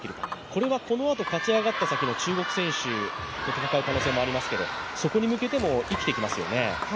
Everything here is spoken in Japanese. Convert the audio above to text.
これはこのあと勝ち上がった先の中国選手と戦う可能性ありますけどそこに向けても生きてきますよね。